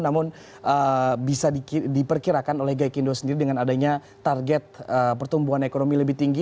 namun bisa diperkirakan oleh gaikindo sendiri dengan adanya target pertumbuhan ekonomi lebih tinggi